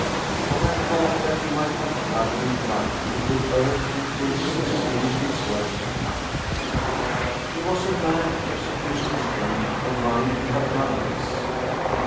But I thought that he might have covered it lightly with earth and twigs and finished his work at night. He was a man of sufficient strength of mind to have done this.